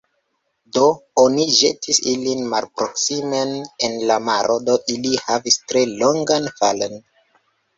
Do, oni ĵetis ilin malproksimen en la maro; do ili havis tre longan falon.